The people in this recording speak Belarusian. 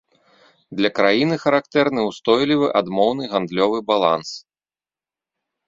Для краіны характэрны устойлівы адмоўны гандлёвы баланс.